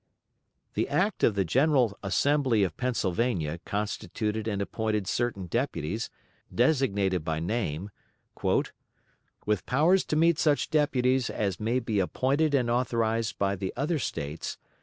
The act of the General Assembly of Pennsylvania constituted and appointed certain deputies, designated by name, "with powers to meet such deputies as may be appointed and authorized by the other States